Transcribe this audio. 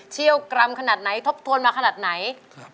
กรรมขนาดไหนทบทวนมาขนาดไหน